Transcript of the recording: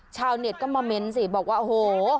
ชาวเน็ตก็มาเม้นสิบอกว่าโอ้โห